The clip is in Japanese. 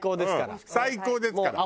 最高ですから。